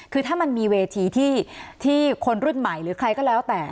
คือถ้ามันมีเวทีที่คนรุ่นใหม่หรือใครก็แล้วแต่